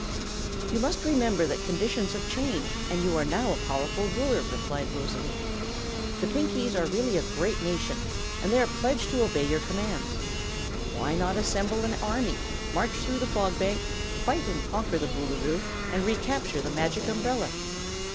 "You must remember that conditions have changed, and you are now a powerful Ruler," replied Rosalie. "The Pinkies are really a great nation, and they are pledged to obey your commands. Why not assemble an army, march through the Fog Bank, fight and conquer the Boolooroo and recapture the Magic Umbrella?"